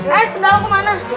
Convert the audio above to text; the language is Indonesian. eh sendalau ke mana